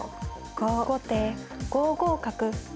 後手５五角。